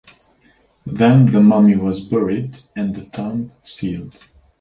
Then the mummy was buried and the tomb sealed.